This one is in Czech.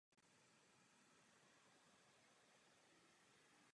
Zasedal v nejvyšších zákonodárných sborech Československa.